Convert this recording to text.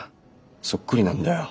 そっくりなんだよ